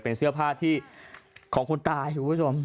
เป็นเสื้อผ้าที่ของคนตายคุณผู้ชม